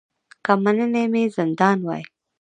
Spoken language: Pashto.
که منلی مي زندان وای